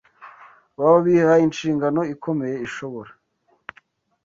baba bihaye inshingano ikomeye ishobora